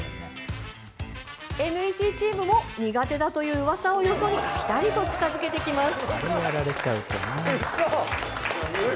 ＮＥＣチームも苦手だといううわさをよそにぴたりと近づけてきます。